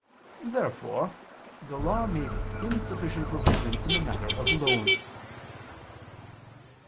Therefore the Law made insufficient provision in the matter of loans.